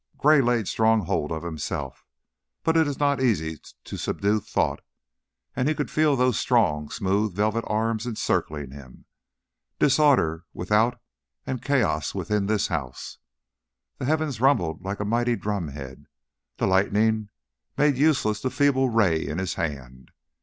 Gray laid strong hold of himself, but it is not easy to subdue thought, and he could feel those strong, smooth, velvet arms encircling him. Disorder without and chaos within this house! The heavens rumbled like a mighty drumhead, the lightning made useless the feeble ray in his hand.